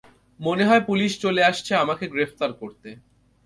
মনে হয় পুলিশ চলে আসছে আমাকে গ্রেফতার করতে।